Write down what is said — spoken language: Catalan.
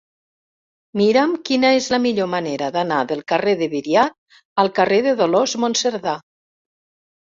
Mira'm quina és la millor manera d'anar del carrer de Viriat al carrer de Dolors Monserdà.